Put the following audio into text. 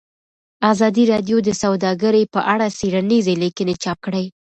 ازادي راډیو د سوداګري په اړه څېړنیزې لیکنې چاپ کړي.